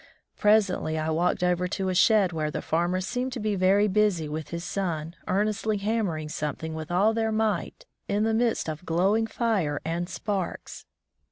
Presently I walked over to a shed where the farmer seemed to be very busy with his son, earnestly hanmiering something with all their might in the midst of glowing fire and sparks.